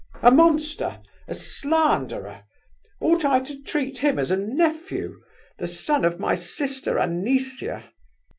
"A monster! a slanderer! Ought I to treat him as a nephew, the son of my sister Anisia?"